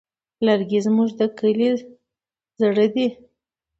لرګی زموږ د کلي زړه دی.